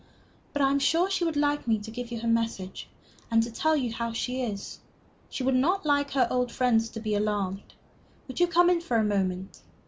"But I am sure she would like me to give you her message and to tell you how she is. She would not like her old friends to be alarmed. Would you come in for a moment?